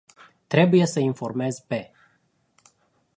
Trebuie sa informez pe.